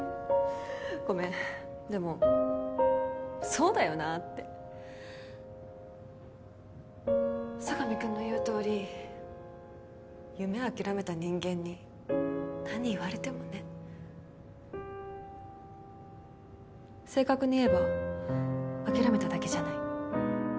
ごめんでもそうだよなって佐神くんの言うとおり夢諦めた人間に何言われてもね正確に言えば諦めただけじゃない